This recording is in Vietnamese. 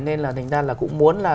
nên là thành ra là cũng muốn là